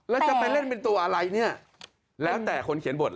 แล้วจะไปเล่นเป็นตัวอะไรเนี่ยแล้วแต่คนเขียนบท